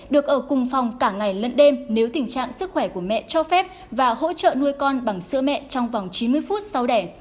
được ở cùng phòng cả ngày lẫn đêm nếu tình trạng sức khỏe của mẹ cho phép và hỗ trợ nuôi con bằng sữa mẹ trong vòng chín mươi phút sau đẻ